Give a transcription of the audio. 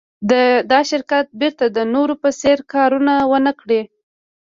دا شرکت باید د نورو په څېر کارونه و نهکړي